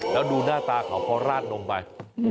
แล้วดูหน้าตาเขาพอราดนมไป